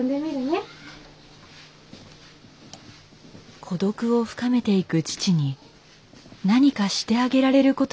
孤独を深めていく父に何かしてあげられることがあったのでは。